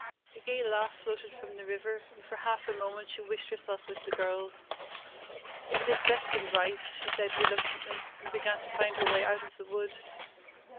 A gay laugh floated from the river, and for half a moment she wished herself with the girls. "It is best and right," she said reluctantly, and began to find her way out of the wood.